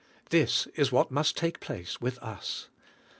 This is what must take place with us.